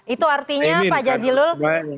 itu artinya pak jazilul